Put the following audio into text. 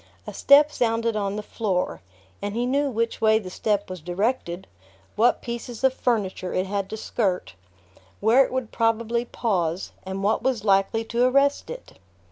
A step sounded on the floor, and he knew which way the step was directed, what pieces of furniture it had to skirt, where it would probably pause, and what was likely to arrest it.